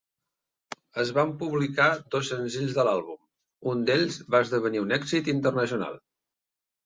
Es van publicar dos senzills de l'àlbum, un d'ells va esdevenir un èxit internacional.